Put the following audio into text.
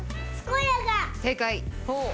正解！